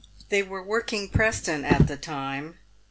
They were working Preston at the time.